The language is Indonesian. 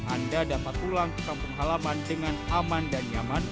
anda dapat pulang ke kampung halaman dengan aman dan nyaman